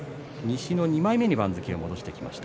西の２枚目に番付を落としています。